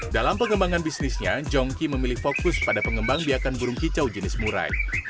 dalam pengembangan bisnisnya jongki memilih fokus pada pengembang biakan burung kicau jenis murai